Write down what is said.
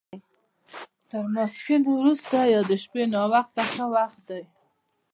تر ماسپښین وروسته یا د شپې ناوخته ښه وخت دی.